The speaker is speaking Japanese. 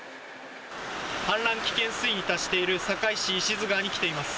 氾濫危険水位に達している堺市石津川に来ています。